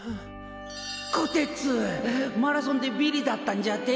こてつマラソンでビリだったんじゃって？